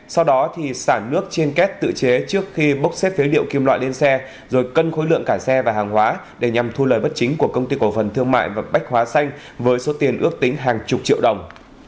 sau đó thì sản nước trên kết tự chế trước khi bốc xếp phế liệu kim loại lên xe rồi cân khối lượng cả xe và hàng hóa để nhằm thu lời bất chính của công ty cổ phần thương mại và bách hóa xanh với số tiền ước tính hàng chục triệu đồng